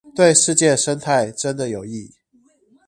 對世界生態真的有益